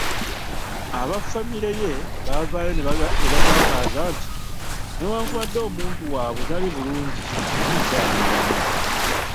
Aba ffamire ye baavaayo ne batangaaza nti newankubadde omuntu waabwe tali bulungi, naye akyali mulamu.